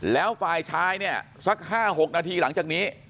แล้วฝ่ายชายเนี่ยสัก๕๖นาทีหลังจากนี้